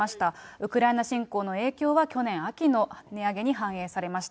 ウクライナ侵攻の影響は去年秋の値上げに反映されました。